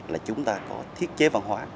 là chúng ta có thiết chế văn hóa